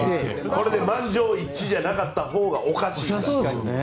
これで満場一致じゃなかったほうがおかしいですから。